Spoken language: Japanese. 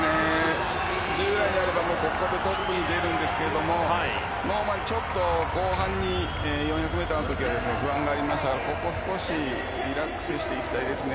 従来であればここでトップに出るんですけどノーマン、ちょっと後半に４００ｍの時は不安がありましたからリラックスしていきたいですね。